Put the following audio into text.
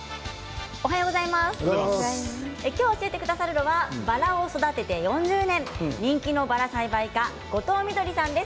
今日、教えてくださるのはバラを育てて４０年人気のバラ栽培家後藤みどりさんです。